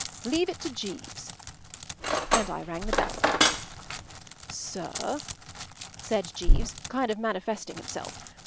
” “Leave it to Jeeves.” And I rang the bell. “Sir?” said Jeeves, kind of manifesting himself.